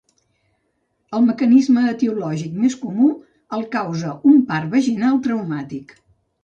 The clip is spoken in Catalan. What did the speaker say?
El mecanisme etiològic més comú el causa un part vaginal traumàtic.